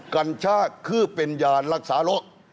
กัญชาคือเป็นยานรักษาโรค